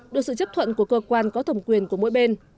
được sự chấp thuận của cơ quan có thẩm quyền của mỗi bên